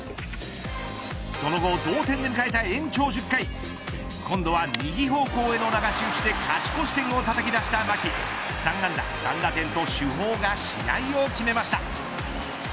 その後同点で迎えた延長１０回今度は右方向への流し打ちで勝ち越し点をたたき出した牧３安打３打点と主砲が試合を決めました。